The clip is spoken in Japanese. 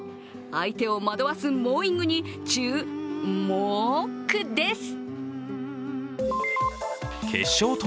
相手を惑わすモーイングにちゅうもくです。